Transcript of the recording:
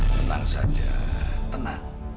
tenang saja tenang